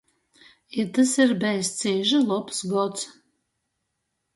Itys ir bejs cīši lobs gods.